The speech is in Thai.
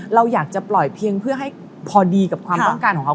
เราอยากจะปล่อยเพียงเพื่อให้พอดีกับความต้องการของเขา